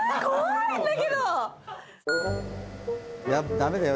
ダメだよ